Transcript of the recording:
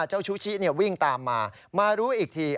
ชุชิวิ่งตามมามารู้อีกที